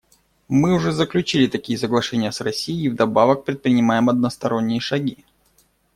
Мы уже заключили такие соглашения с Россией и вдобавок предпринимаем односторонние шаги.